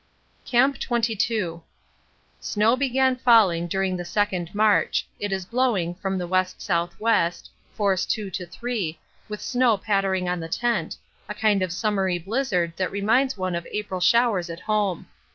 Camp 22. Snow began falling during the second march; it is blowing from the W.S.W., force 2 to 3, with snow pattering on the tent, a kind of summery blizzard that reminds one of April showers at home.